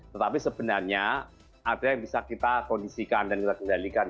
tetapi sebenarnya ada yang bisa kita kondisikan dan kita kendalikan